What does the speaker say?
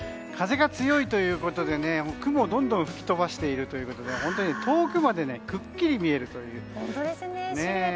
風が強いということで雲をどんどん吹き飛ばしているということで本当に遠くまでくっきり見えます。